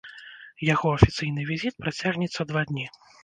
Яго афіцыйны візіт працягнецца два дні.